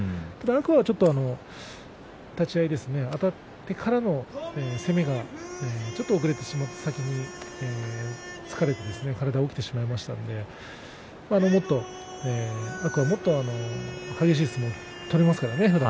天空海はちょっと立ち合いあたってからの攻めがちょっと遅れてしまって先に疲れて体が起きてしまいましたので天空海はもっと激しい相撲が取れますからね。